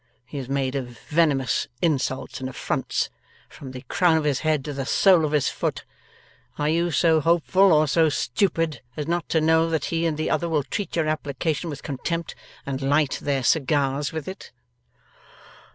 He is made of venomous insults and affronts, from the crown of his head to the sole of his foot. Are you so hopeful or so stupid, as not to know that he and the other will treat your application with contempt, and light their cigars with it?